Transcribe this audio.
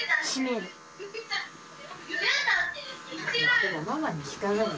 でもママに聞かないで。